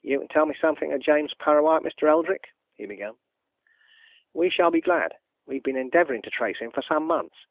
"You can tell me something of James Parrawhite, Mr. Eldrick?" he began. "We shall be glad we've been endeavouring to trace him for some months.